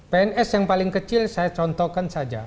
pns yang paling kecil saya contohkan saja